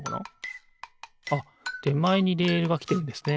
あってまえにレールがきてるんですね。